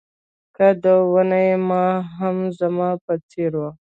قد او ونه يې هم زما په څېر وه.